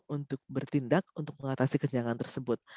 untuk bertindak untuk mengatasi kenyangan tersebut